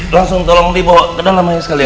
langsung tolong li bawa ke dalam aja sekalian